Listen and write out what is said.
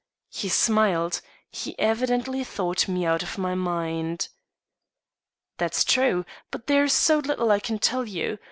He smiled; he evidently thought me out of my mind. "That's true; but there is so little I can tell you.